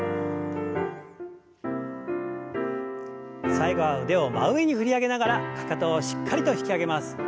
最後は腕を真上に振り上げながらかかとをしっかりと引き上げます。